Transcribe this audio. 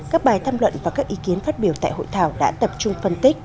các bài tham luận và các ý kiến phát biểu tại hội thảo đã tập trung phân tích